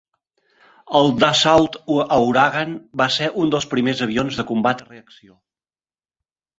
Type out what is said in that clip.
El Dassault Ouragan va ser un dels primers avions de combat a reacció.